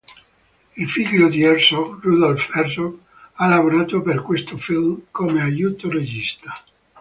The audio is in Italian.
Il figlio di Herzog, Rudolph Herzog, ha lavorato per questo film come aiuto-regista.